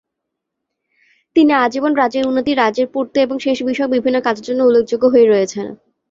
তিনি আজীবন রাজ্যের উন্নতি রাজ্যের পূর্ত এবং শেষ বিষয়ক বিভিন্ন কাজের জন্য উল্লেখযোগ্য হয়ে রয়েছেন।